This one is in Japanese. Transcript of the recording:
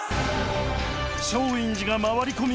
松陰寺が回り込み